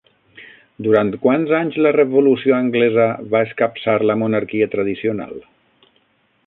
Durant quants anys la Revolució anglesa va escapçar la monarquia tradicional?